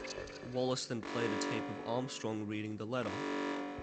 Wallace then played a tape of Armstrong reading the letter.